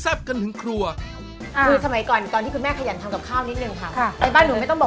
ตามกลิ่นปลาร้าเลยค่ะ